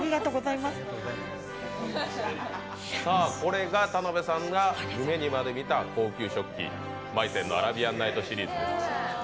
これが田辺さんが夢にまで見た高級食器、マイセンのアラビアンナイトシリーズです。